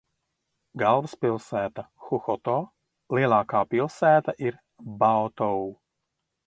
Galvaspilsēta – Huhoto, lielākā pilsēta ir Baotou.